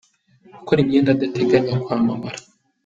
Gukora imyenda adateganya kwamamara.